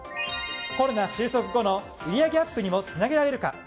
コロナ収束後の売り上げアップにもつなげられるか。